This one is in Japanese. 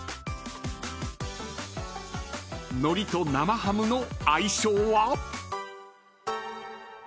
［のりと生ハムの相性は？］